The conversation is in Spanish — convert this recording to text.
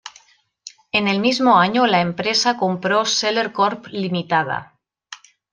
En el mismo año, la empresa compró Seller Corp Ltda.